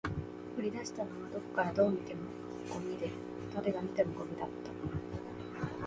掘り出したものはどこから見てもゴミで、誰が見てもゴミだった